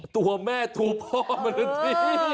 ตัวแม่ถูกพ่อเหมือนกันนี้